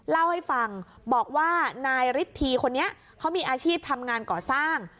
เล่าให้ฟังบอกว่านายฤทธีคนนี้เขามีอาชีพทำงานก่อสร้าง